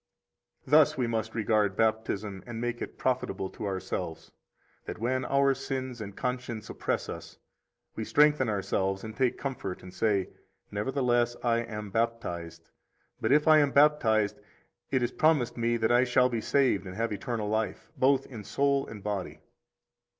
44 Thus we must regard Baptism and make it profitable to ourselves, that when our sins and conscience oppress us, we strengthen ourselves and take comfort and say: Nevertheless I am baptized; but if I am baptized, it is promised me that I shall be saved and have eternal life, both in soul and body.